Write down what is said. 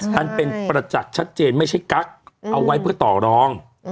อันเป็นประจักษ์ชัดเจนไม่ใช่กั๊กเอาไว้เพื่อต่อรอง